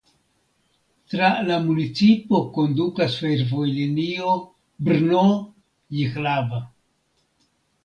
Tra la municipo kondukas fervojlinio Brno–Jihlava.